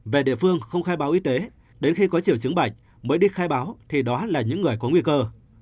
về địa phương không khai báo y tế đến khi có triệu chứng bệnh mới đi khai báo thì đó là những người có nguy cơ